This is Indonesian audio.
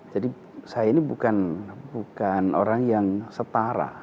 jadi saya ini bukan orang yang setara